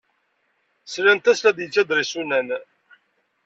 Slant-as la d-yettader isunan.